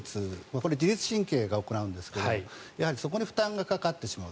これ、自律神経が行うんですがやはりそこに負担がかかってしまう。